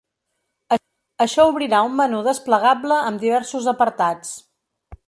Això obrirà un menú desplegable amb diversos apartats.